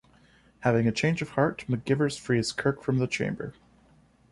Having a change of heart, McGivers frees Kirk from the chamber.